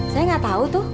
saya ga tau tuh